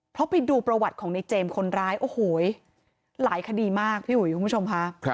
เพราะไปดูประวัติของในเจมส์คนร้ายโอ้โหหลายคดีมากพี่อุ๋ยคุณผู้ชมค่ะ